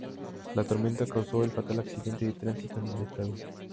La tormenta causó un fatal accidente de tránsito en el estado.